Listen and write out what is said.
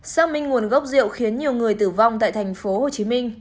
xác minh nguồn gốc rượu khiến nhiều người tử vong tại tp hcm